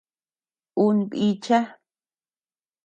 Un bícha.